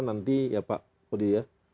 nanti ya pak odir